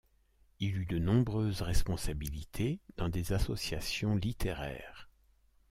Il eut de nombreuses responsabilités dans des associations littéraires.